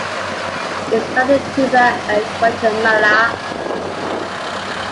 It is found in Cuba, and Guatemala.